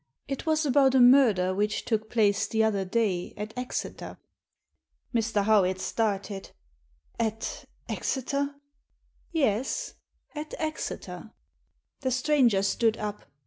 It was about a murder which took place the other day at Exeter." Mr. Howitt started. "At Exeter?" "Yes; at Exeter." The stranger stood up.